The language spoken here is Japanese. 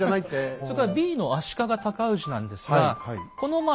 それからＢの足利尊氏なんですがこのまあ